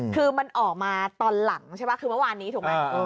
คือมันออกมาตอนหลังใช่ไหมคือเมื่อวานนี้ถูกไหม